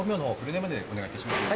お願いいたします。